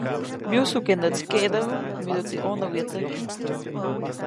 Myujsu ke näʼtsi keʼdäju, miduʼtsi ʼonäwyätsäki.